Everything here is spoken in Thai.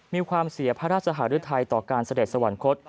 มีความเสียพระราชหารุทัยต่อการเสด็จสวรรคต